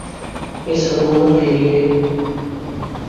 اس حکومت کیلئے۔